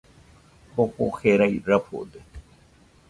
Jofo jerai rafode